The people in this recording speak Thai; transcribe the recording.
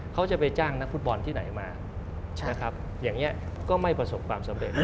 เขาจะไปจ้างนักฟุตบอลที่ไหนมานะครับอย่างนี้ก็ไม่ประสบความสำเร็จ